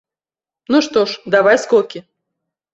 Ну што ж, давай скокі!